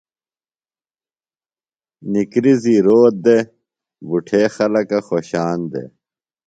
نکریزی روت دےۡ۔ بُٹھےخلکہ خوۡشان دےۡ۔